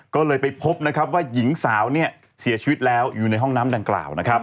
ก็เลยไปพบว่าหญิงสาวเสียชีวิตแล้วอยู่ในห้องน้ำดังกล่าว